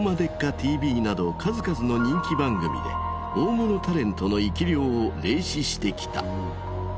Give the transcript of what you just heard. ＴＶ」など数々の人気番組で大物タレントの生き霊を霊視してきた。